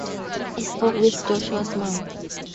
I spoke with Joshua’s mom.